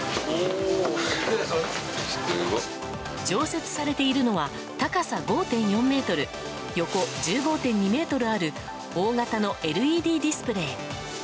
常設されているのは高さ５．４ｍ、横１５．２ｍある大型のＬＥＤディスプレー。